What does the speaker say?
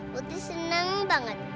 putri seneng banget